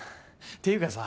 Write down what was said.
ていうかさ